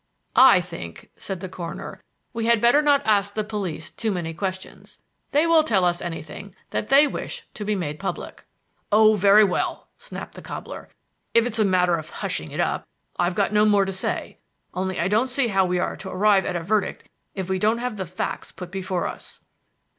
"I think," said the coroner, "we had better not ask the police too many questions. They will tell us anything that they wish to be made public." "Oh, very well," snapped the cobbler. "If it's a matter of hushing it up I've got no more to say; only I don't see how we are to arrive at a verdict if we don't have the facts put before us."